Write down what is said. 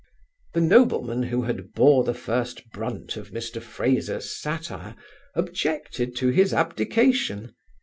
The nobleman who had bore the first brunt of Mr Fraser's satire, objected to his abdication.